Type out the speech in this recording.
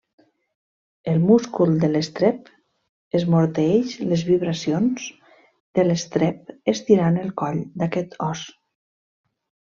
El múscul de l'estrep esmorteeix les vibracions de l'estrep estirant el coll d'aquest os.